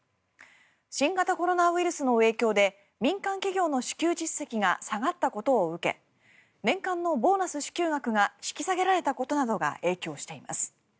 新型コロナウイルスの影響で民間企業の支給実績が下がったことを受け年間のボーナス支給額が引き下げられたことなどが影響しています。